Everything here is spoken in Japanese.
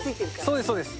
そうですそうです。